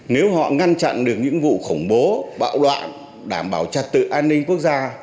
nếu họ ngăn chặn được những vụ khủng bố bạo loại đảm bảo trạc tự an ninh quốc gia